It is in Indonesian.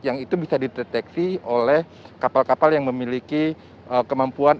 yang itu bisa dideteksi oleh kapal kapal yang memiliki kemampuan